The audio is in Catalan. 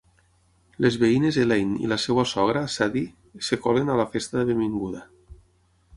Les veïnes Elaine i la seva sogra, Sadie, es colen a la festa de benvinguda.